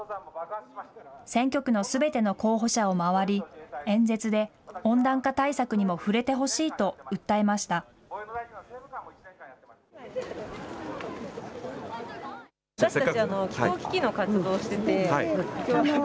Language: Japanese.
選挙区のすべての候補者を回り、演説で温暖化対策にも触れてほしいと訴えました。